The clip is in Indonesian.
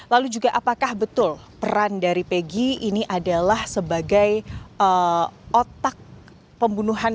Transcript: lalu juga apakah betul peran dari pegi ini adalah sebagai otak pembunuhan